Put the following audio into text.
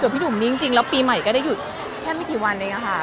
พี่หนุ่มนี้จริงแล้วปีใหม่ก็ได้หยุดแค่ไม่กี่วันเองค่ะ